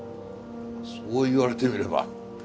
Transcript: そう言われてみれば。